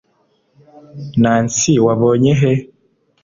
nancy wabonye he